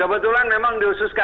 kebetulan memang dihususkan